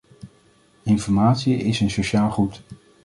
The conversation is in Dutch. Informatie is een sociaal goed.